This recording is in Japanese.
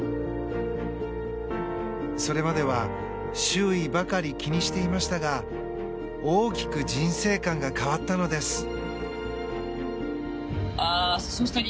それまでは周囲ばかり気にしていましたが大きく人生観が変わったのです。